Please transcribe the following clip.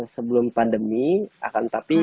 sebelum pandemi akan tapi